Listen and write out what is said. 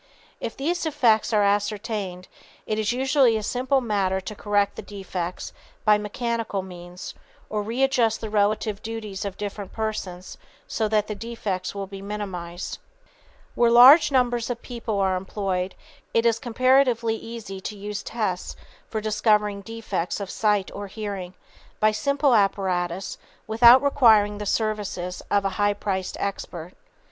If these defects are ascertained, it is usually a simple matter to correct the defects by mechanical means or readjust the relative duties of different persons so that the defects will be minimized. [Sidenote: Tests for Sensory Defects] Where large numbers of people are employed, it is comparatively easy to use tests for discovering defects of sight or hearing by simple apparatus without requiring the services of a high priced expert.